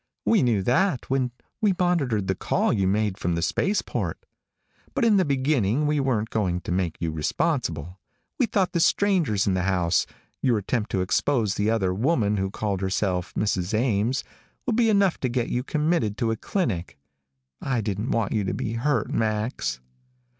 We knew that when we monitored the call you made from the spaceport. But in the beginning we weren't going to make you responsible. We thought the strangers in the house your attempt to expose the other woman who called herself Mrs. Ames would be enough to get you committed to a clinic. I didn't want you to be hurt, Max."